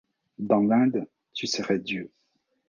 Dans l’Inde, tu serais dieu.